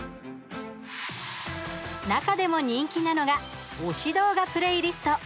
中でも人気なのが推し動画プレイリスト。